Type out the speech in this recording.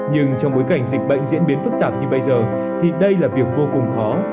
nhưng trong bối cảnh dịch bệnh diễn biến phức tạp như bây giờ thì đây là việc vô cùng khó